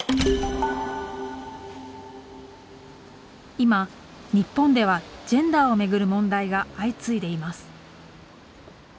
今、日本ではジェンダーを巡る問題が相次いでいます。